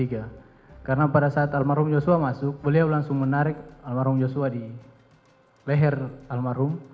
karena pada saat almarhum joshua masuk beliau langsung menarik almarhum joshua di leher almarhum